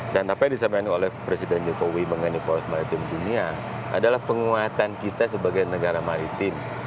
dan apa yang disampaikan oleh presiden jokowi mengenai poros maritim dunia adalah penguatan kita sebagai negara maritim